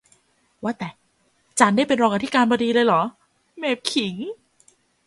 ว่าแต่จารย์ได้เป็นรองอธิการบดีเลยเหรอ เมพขิง